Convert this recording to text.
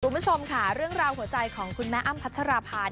คุณผู้ชมค่ะเรื่องราวหัวใจของคุณแม่อ้ำพัชราภา